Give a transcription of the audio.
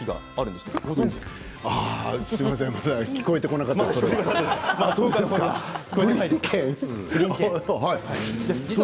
すみません聞こえてこなかったです、それは。